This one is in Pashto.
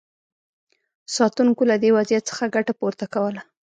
ساتونکو له دې وضعیت څخه ګټه پورته کوله.